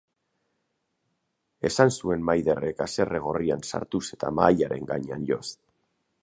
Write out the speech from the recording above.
Esan zuen Maiderrek haserre gorrian sartuz eta mahaiaren gainean joz.